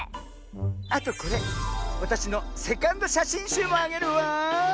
あとこれわたしのセカンドしゃしんしゅうもあげるわ。